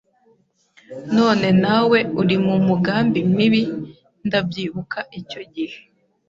none nawe uri mu mugambi mibi? Ndabyibuka icyo gihe